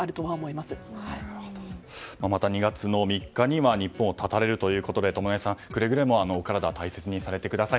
また２月３日には日本を発たれるということで友成さん、くれぐれもお体を大切にしてください。